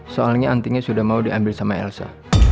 soalnya antinya sudah mau diambil sama elsa